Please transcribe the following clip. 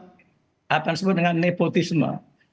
apa yang disebut dengan nepotisme